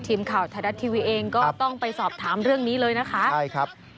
ทีมข่าวไทยรัฐทีวีเองก็ต้องไปสอบถามเรื่องนี้เลยนะคะใช่ครับ